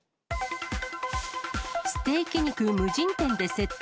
ステーキ肉無人店で窃盗。